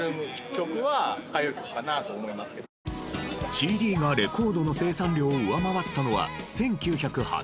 ＣＤがレコードの生産量を上回ったのは１９８８年。